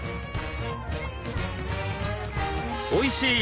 おいしい！